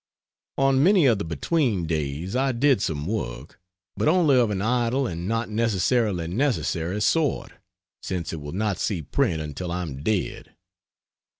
On many of the between days I did some work, but only of an idle and not necessarily necessary sort, since it will not see print until I am dead.